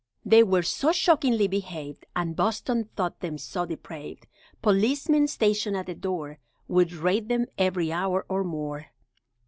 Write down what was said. They were so shockingly behaved And Boston thought them so depraved, Policemen, stationed at the door, Would raid them every hour or more!